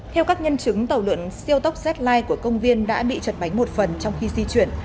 theo các nhân chứng tàu lượn siêu tốc z line của công viên đã bị trật bánh một phần trong khi di chuyển